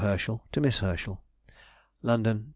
HERSCHEL TO MISS HERSCHEL. LONDON, _Dec.